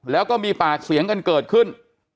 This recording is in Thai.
แล้วก็มีปากเสียงกันเกิดขึ้น